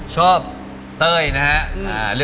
ชอบเต้ยนะฮะ